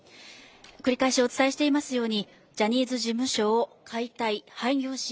繰り返しお伝えしていますようにジャニーズ事務所を解体・廃業し